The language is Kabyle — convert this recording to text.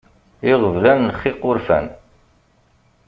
Iɣeblan, lxiq, urfan.